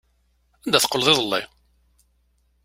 Anda teqqleḍ iḍelli?